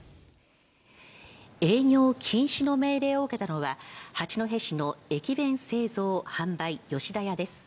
営業禁止の命令を受けたのは、八戸市の駅弁製造・販売、吉田屋です。